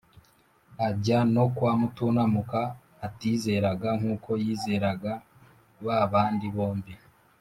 ajya no kwa mutunamuka atizeraga nk' uko yizeraga ba bandi bombi